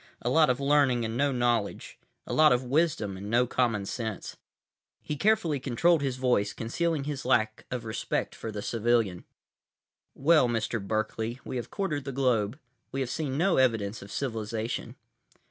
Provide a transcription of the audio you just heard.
A lot of learning and no knowledge. A lot of wisdom and no common sense. He carefully controlled his voice, concealing his lack of respect for the civilian. "Well, Mr. Berkeley, we have quartered the globe. We have seen no evidence of civilization."